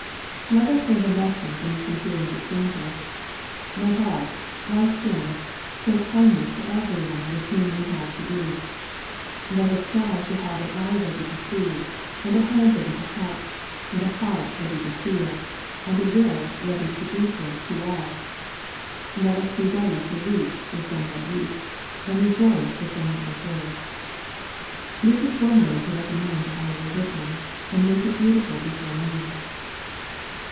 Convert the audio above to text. Let us learn a lesson from the centurion's example. Let us, like him, show kindness to every one with whom we have to do. Let us strive to have an eye ready to see, and a hand ready to help, and a heart ready to feel, and a will ready to do good to alL Let us be ready to weep with them that weep, and rejoice with them that rejoice. This is one way to recommend our religion, and make it beautiful before men.